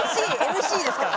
ＭＣですから。